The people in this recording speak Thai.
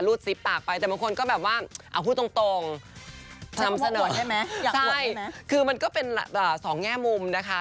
รูดซิปปากไปแต่บางคนก็แบบว่าพูดตรงคือมันก็เป็นสองแง่มุมนะคะ